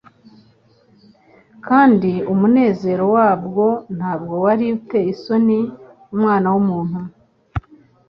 kandi umunezero wabwo ntabwo wari uteye isoni Umwana w’umuntu